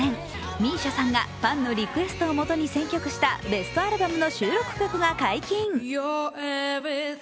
ＭＩＳＩＡさんがファンのリクエストをもとに選曲したベストアルバムの収録曲が解禁。